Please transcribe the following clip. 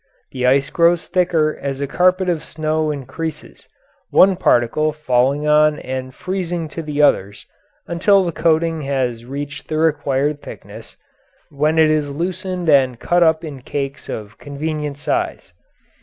The ice grows thicker as a carpet of snow increases, one particle falling on and freezing to the others until the coating has reached the required thickness, when it is loosened and cut up in cakes of convenient size.